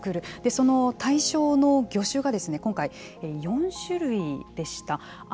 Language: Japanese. その対象の魚種が今回、４種類でした。